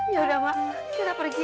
yaudah mak kita pergi